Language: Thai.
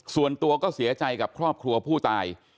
ส่วนตัวก็เสียใจกับครอบครัวผู้ตาย